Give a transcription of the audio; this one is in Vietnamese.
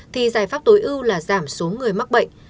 thì giải pháp tối ưu là giảm số người mắc bệnh